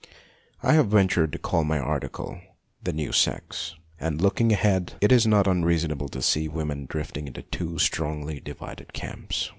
I have ventured to call my article the " New Sex," and, looking ahead, it is not unreasonable to see women drifting into two strongly divided camps.